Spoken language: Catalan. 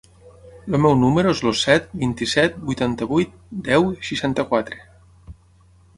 El meu número es el set, vint-i-set, vuitanta-vuit, deu, seixanta-quatre.